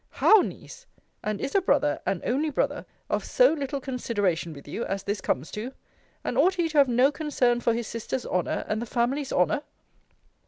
How, Niece! And is a brother, an only brother, of so little consideration with you, as this comes to? And ought he to have no concern for his sister's honour, and the family's honour.